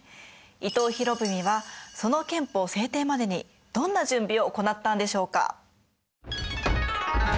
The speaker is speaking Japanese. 伊藤博文はその憲法制定までにどんな準備を行ったんでしょうか？